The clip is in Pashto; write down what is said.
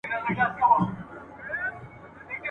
د وطن پر کروندگرو دهقانانو ..